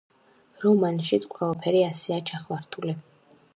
რომანშიც ყველაფერი ასეა ჩახლართული.